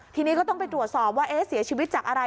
ทีนี้ก็ต้องไปตรวจสอบว่าเสียชีวิตจากอะไร